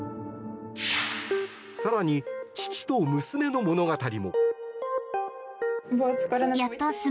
更に父と娘の物語も。